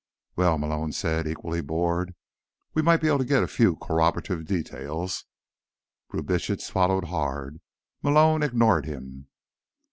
"Well," Malone said, equally bored, "we might be able to get a few corroborative details." Brubitsch swallowed hard. Malone ignored him.